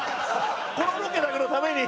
このロケだけのために？